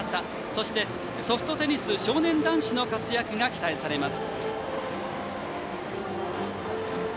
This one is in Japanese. そして、ソフトテニス少年男子の活躍が期待されます。